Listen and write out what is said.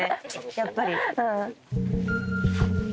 やっぱり。